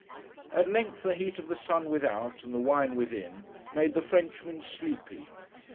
At length the heat of the sun without, and the wine within, made the Frenchman sleepy.